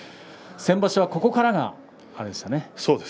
先場所はここからがあれでしたね。